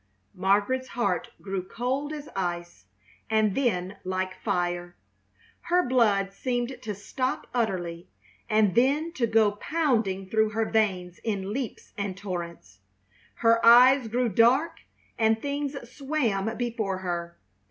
Margaret's heart grew cold as ice and then like fire. Her blood seemed to stop utterly and then to go pounding through her veins in leaps and torrents. Her eyes grew dark, and things swam before her.